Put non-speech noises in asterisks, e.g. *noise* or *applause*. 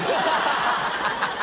ハハハ *laughs*